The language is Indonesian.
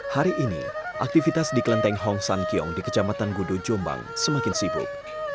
hari ini aktivitas di kelenteng hong san kiong di kecamatan gudo jombang semakin sibuk